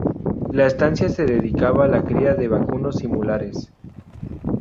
La estancia se dedicaba a la cría de vacunos y mulares.